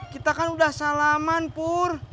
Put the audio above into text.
kita kan udah salaman pur